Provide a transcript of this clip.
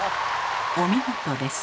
お見事です。